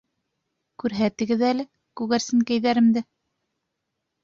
Күрһәтегеҙ әле күгәрсенкәйҙәремде.